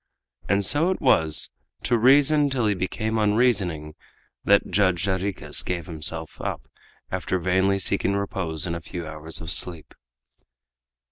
And so it was "to reason till he became unreasoning" that Judge Jarriquez gave himself up after vainly seeking repose in a few hours of sleep.